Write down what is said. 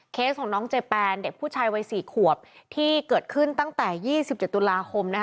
ของน้องเจแปนเด็กผู้ชายวัย๔ขวบที่เกิดขึ้นตั้งแต่๒๗ตุลาคม